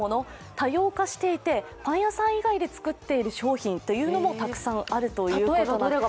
多様化していて、パン屋さん以外で作っている商品もたくさんあるということです。